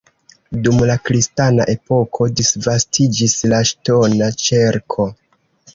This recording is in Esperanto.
Dum la kristana epoko disvastiĝis la ŝtona ĉerko.